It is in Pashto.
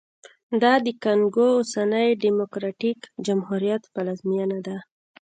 دا د کانګو اوسني ډیموکراټیک جمهوریت پلازمېنه ده